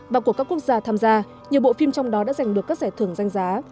và của các quốc gia tham gia nhiều bộ phim trong đó đã giành được các giải thưởng danh giá